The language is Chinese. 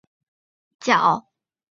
塞那阿巴斯巨人像附近的山脚。